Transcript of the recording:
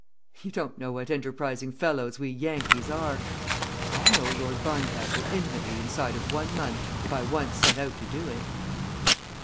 You don't know what enterprising fellows we Yankees are. I'll know Lord Barncastle intimately inside of one month, if I once set out to do it."